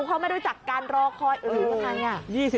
เขาไม่รู้จักการรอคอยเออว่าไง